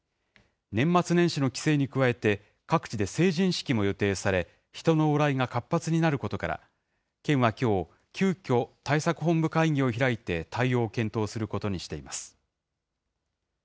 年末年始の帰省に加えて、各地で成人式も予定され、人の往来が活発になることから、県はきょう、急きょ、対策本部会議を開いて対応を検討することにしています。